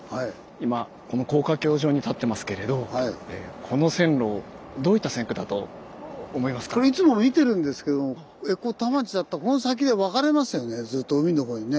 今この高架橋上に立ってますけれどこれいつも見てるんですけどもここ田町だとこの先で分かれますよねずっと海のほうにね。